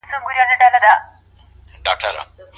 علماوو خپل مسئوليتونه په سمه توګه ادا کړل.